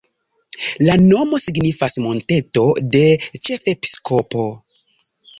La nomo signifas monteto-de-ĉefepiskopo.